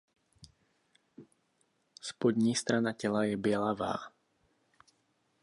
Spodní strana těla je bělavá.